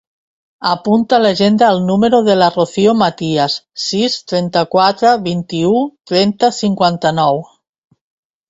Apunta a l'agenda el número de la Rocío Matias: sis, trenta-quatre, vint-i-u, trenta, cinquanta-nou.